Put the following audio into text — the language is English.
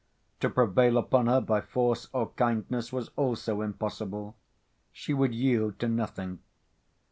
To prevail upon her by force or kindness was also impossible: she would yield to nothing.